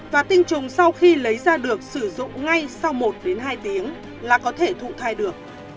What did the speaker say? và tinh trùng sau khi lấy ra được sử dụng ngay sau một đến hai tiếng là có thể thụ thai được